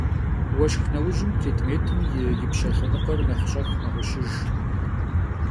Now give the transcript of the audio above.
Vueşşx neujım prêdmêtım yi yipşe lhenıkhuer nexh ş'ex meğuşıjj.